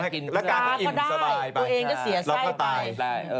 กาก็ได้ตัวเองก็เสียไส้ไป